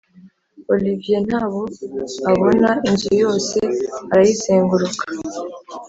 olivier ntabo abona inzu yose arayizenguruka